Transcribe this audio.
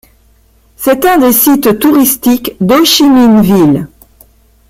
C'est un des sites touristiques d'Hô-Chi-Minh-Ville.